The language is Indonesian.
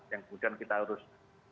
yang kemudian kita harus